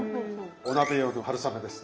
お鍋用の春雨です。